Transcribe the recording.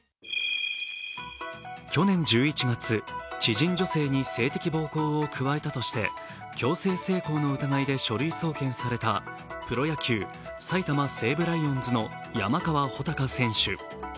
去年１１月、知人女性に性的暴力を加えたとして強制性交の疑いで書類送検されたプロ野球、埼玉西武ライオンズの山川穂高選手。